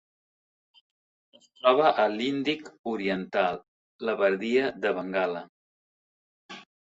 Es troba a l'Índic oriental: la badia de Bengala.